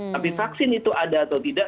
tapi vaksin itu ada atau tidak